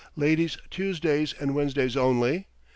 Ladies Tuesdays and Wednesdays Only?'"